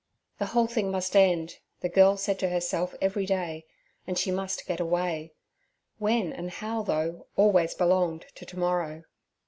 The whole thing must end, the girl said to herself every day, and she must get away. When and how, though, always belonged to to morrow.